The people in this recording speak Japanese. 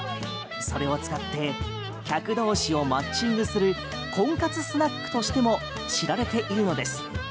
それを使って客同士をマッチングする婚活スナックとしても知られているのです。